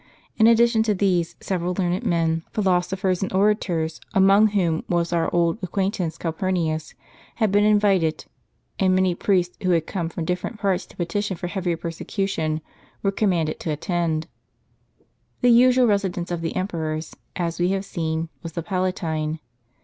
In addition to these, several learned men, philosophers, and orators, among whom was our old acquaintance Calpurnius, had been invited ; and many priests, who had come from different i^arts, to petition for heavier persecution, were commanded to attend. The usual residence of the emperors, as we have seen, was the Palatine.